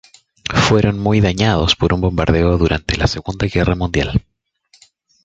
Fueron muy dañados por un bombardeo durante la Segunda Guerra Mundial.